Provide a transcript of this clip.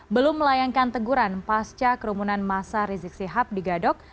belum melayangkan teguran pasca kerumunan masa rizik sihab di gadok